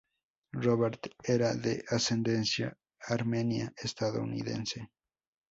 Robert era de ascendencia armenia-estadounidense.